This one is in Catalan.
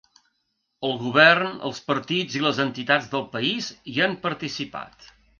El govern, els partits i les entitats del país hi han participat.